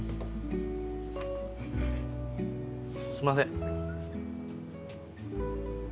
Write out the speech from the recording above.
すみません。